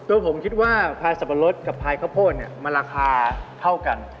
ตัวผมคิดว่าพลายสัปรดกับพลายข้าวโพนมาราคาเข้ากัน